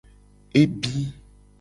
Ebi.